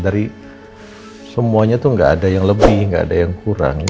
dari semuanya tuh nggak ada yang lebih nggak ada yang kurang